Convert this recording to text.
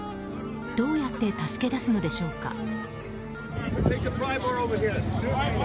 どうやって助け出すのでしょうか。